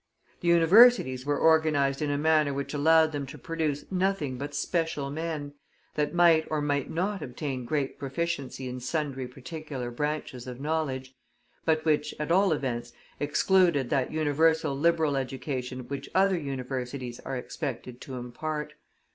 The universities were organized in a manner which allowed them to produce nothing but special men, that might or might not obtain great proficiency in sundry particular branches of knowledge, but which, at all events, excluded that universal liberal education which other universities are expected to impart.